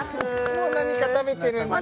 もう何か食べてるんだね